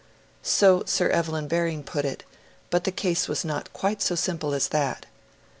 So Sir Evelyn Baring put it; but the case was not quite so simple as that.